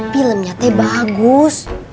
filmnya teh bagus